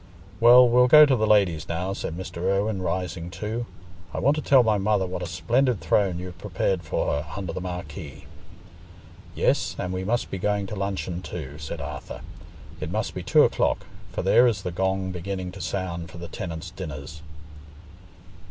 "Well, we'll go to the ladies now," said Mr. Irwine, rising too. "I want to tell my mother what a splendid throne you've prepared for her under the marquee." "Yes, and we must be going to luncheon too," said Arthur. "It must be two o'clock, for there is the gong beginning to sound for the tenants' dinners."